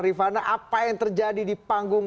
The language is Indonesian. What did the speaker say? rifana apa yang terjadi di panggung